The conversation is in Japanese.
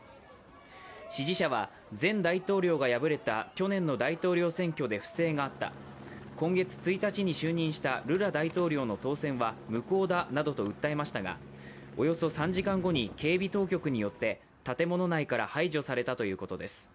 支持者は、前大統領が敗れた去年大統領選挙で不正があった、今月１日に就任したルラ大統領の当選は無効だなどとおよそ３時間後に警備当局によって建物内から排除されたということです。